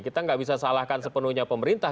kita nggak bisa salahkan sepenuhnya pemerintah